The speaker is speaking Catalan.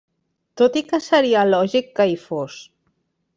Tot i que seria lògic que hi fos.